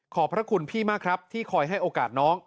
พระคุณพี่มากครับที่คอยให้โอกาสน้อง